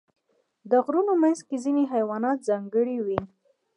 د غرونو منځ کې ځینې حیوانات ځانګړي وي.